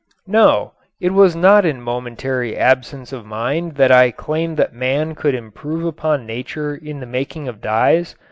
No, it was not in momentary absence of mind that I claimed that man could improve upon nature in the making of dyes.